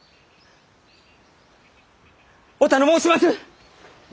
お頼申します！